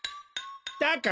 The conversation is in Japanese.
だから！